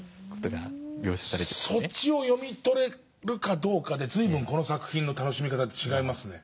そっちを読み取れるかどうかで随分この作品の楽しみ方って違いますね。